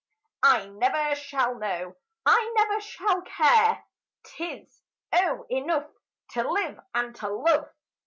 I never shall know I never shall care! 'Tis, oh, enough to live and to love!